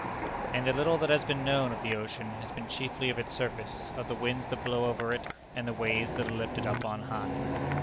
And the little that has been known of the ocean has been chiefly of its surface, of the winds that blow over it, and the waves that are lifted up on high.